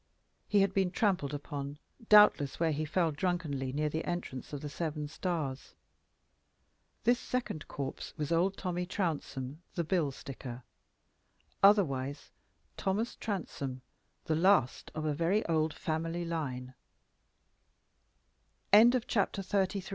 He had been trampled upon, doubtless, where he fell drunkenly, near the entrance of the Seven Stars. This second corpse was old Tommy Trounsem, the bill sticker otherwise Thomas Transome, the last of a very old fami